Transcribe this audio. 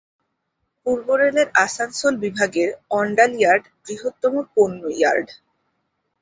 পূর্ব রেলের আসানসোল বিভাগের অণ্ডাল ইয়ার্ড বৃহত্তম পণ্য ইয়ার্ড।